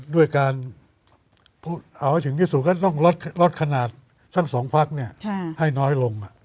ด้วยการเอาให้ถึงที่สุดก็ต้องลดขนาดทั้งสองพักให้น้อยลง